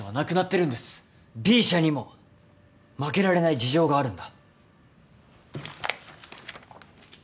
Ｂ社にも負けられない事情があるんだ。